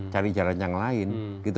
cari jalan yang lain